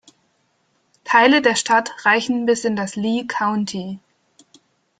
Teile der Stadt reichen bis in das Lee County.